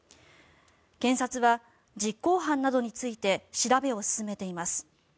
検察は実行犯などについて調べを進めています。